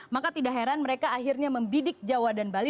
maka tidak heran mereka akhirnya membidik jawa dan bali